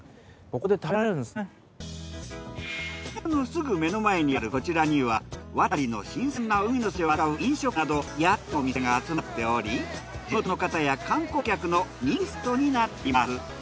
港のすぐ目の前にあるこちらには亘理の新鮮な海の幸を扱う飲食店など８つのお店が集まっており地元の方や観光客の人気スポットになっています。